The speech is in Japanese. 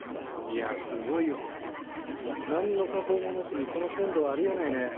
いやすごいよ何の加工もなしにこの鮮度はあり得ないね。